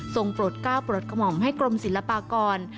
ปลดก้าวปลดกระหม่อมให้กรมศิลปากร